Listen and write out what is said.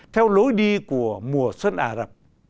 theo lối đi của mùa xuân ả rập